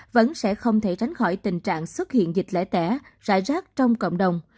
vẫn sẽ không thể tránh khỏi tình trạng xuất hiện dịch lễ tẻ rải rác trong cộng đồng